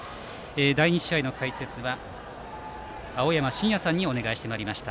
第２試合の解説は青山眞也さんにお願いしてまいりました。